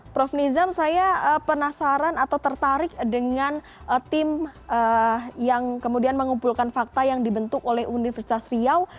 prof nizam saya penasaran atau tertarik dengan tim yang kemudian mengumpulkan fakta yang dibentuk oleh universitas riau